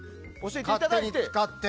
教えていただいて。